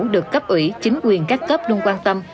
được cấp ủy chính quyền các cấp luôn quan tâm